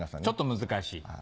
ちょっと難しい。